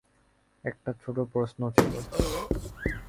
একটা ছোট প্রশ্ন ছিল।